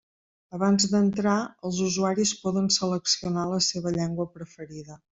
Abans d'entrar, els usuaris poden seleccionar la seva llengua preferida.